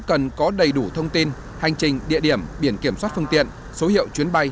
cần có đầy đủ thông tin hành trình địa điểm biển kiểm soát phương tiện số hiệu chuyến bay